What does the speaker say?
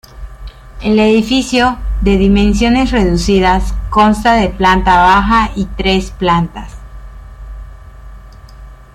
El edificio, de dimensiones reducidas, consta de planta baja y tres plantas.